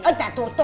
oh tuh tuh tuh tuh